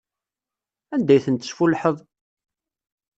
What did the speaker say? Anda ay ten-tesfullḥeḍ?